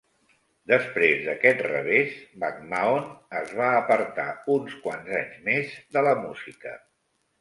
Després d'aquest revés, McMahon es va apartar uns quants anys més de la música.